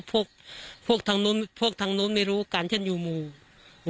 พวกทางนู้นไม่รู้ก่อนผมอยู่มูล